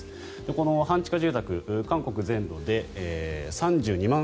この半地下住宅韓国全土で３２万